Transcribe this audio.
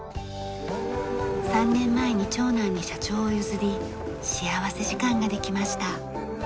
３年前に長男に社長を譲り幸福時間ができました。